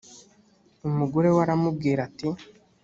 umugore we aramubwira ati